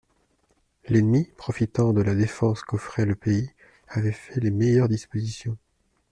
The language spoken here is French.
L'ennemi, profitant de la défense qu'offrait le pays, avait fait les meilleures dispositions.